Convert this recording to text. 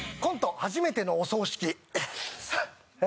「初めてのお葬式」え